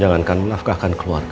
jangankan menafkahkan keluarga